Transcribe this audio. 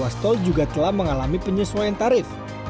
pemerintah juga telah mengalami penyesuaian tarif